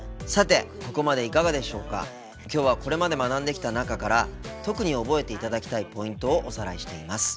今日はこれまで学んできた中から特に覚えていただきたいポイントをおさらいしています。